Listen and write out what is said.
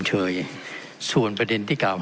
ท่านประธานที่ขอรับครับ